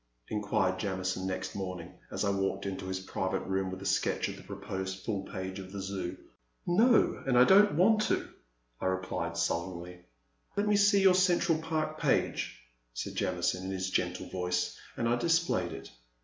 inquired Jamison next morn ing as I walked into his private room with a sketch of the proposed full page of the Zoo. No, and I don't want to,'* I replied, sullenly. *'Let me see your Central Park page, said Jamison in his gentle voice, and I displayed it.